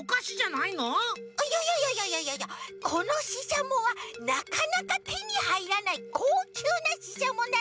いやいやいやいやこのししゃもはなかなかてにはいらないこうきゅうなししゃもなのよ。